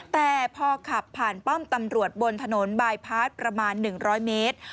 แต่พอขับผ่านป้อมตำรวจบนถนนบายพาร์ทประมาณ๑๐๐เมตร